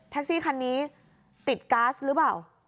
ซี่คันนี้ติดก๊าซหรือเปล่า